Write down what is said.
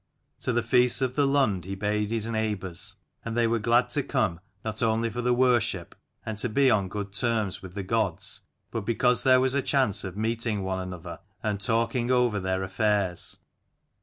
To the feasts of the Lund he bade his neighbours ; and they were glad to come, not only for the worship, and to be on good terms with the gods, but because there was a chance of meeting one another, and talking over their affairs.